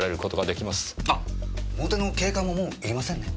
あっ表の警官ももう要りませんね？